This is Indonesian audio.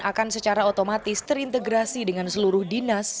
akan secara otomatis terintegrasi dengan seluruh dinas